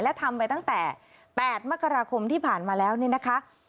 และทำไปตั้งแต่๘มกราคมที่ผ่านมาแล้วเนี่ยนะคะ